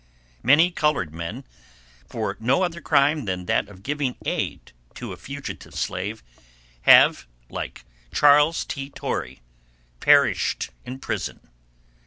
Many colored men, for no other crime than that of giving aid to a fugitive slave, have, like Charles T. Torrey, perished in prison.